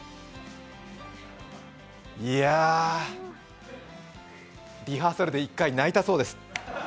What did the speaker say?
いやあ、リハーサルで１回泣いたそうです。